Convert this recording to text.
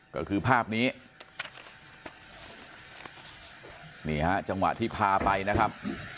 ก็คือภาพนี้นี่ฮะจังหวะที่พาไปนะครับ